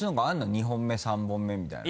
２本目３本目みたいな。